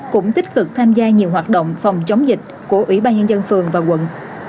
cũng tích cực tham gia nhiều hoạt động phòng chống dịch của ủy ban nhân dân phường và quận